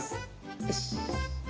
よし。